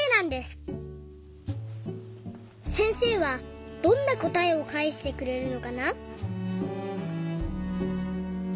せんせいはどんなこたえをかえしてくれるのかな？